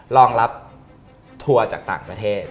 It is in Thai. รองรับทัวร์จากต่างประเทศ